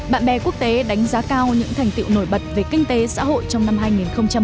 bạn bè quốc tế đánh giá cao những thành tựu nổi bật về kinh tế xã hội trong năm hai nghìn một mươi chín của việt nam